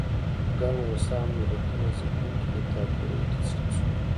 ګڼ هوسا ملتونه ځپونکو دیکتاتوریو ته تسلیم شول.